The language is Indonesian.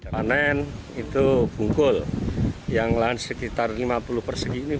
panen itu bungkul yang lahan sekitar lima puluh persegi ini